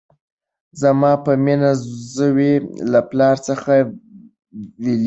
زما په مینه زوی له پلار څخه بیلیږي